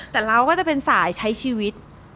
แต่เราก็จะเป็นสายใช้ชีวิต